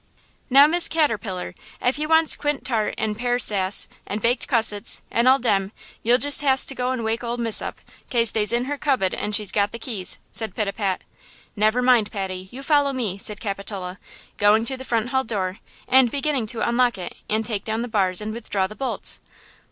"Now, Miss Caterpillar, ef you wants quint tart, an' pear sass, and baked cussets, an' all dem, you'll jest has to go an' wake Ole Mis' up, case dey's in her cubbed an' she's got the keys," said Pitapat. "Never mind, Patty, you follow me," said Capitola, going to the front hall door and beginning to unlock it and take down the bars and withdraw the bolts.